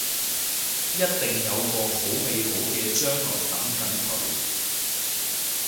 一定有個好美好嘅將來等緊佢